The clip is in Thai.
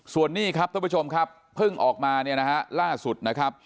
ส่วนนี้ครับทุกผู้ชมครับเพิ่งออกมาล่าสุด